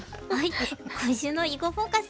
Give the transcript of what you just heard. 今週の「囲碁フォーカス」